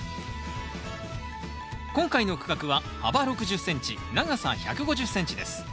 今回の区画は幅６０ｃｍ長さ１５０ｃｍです。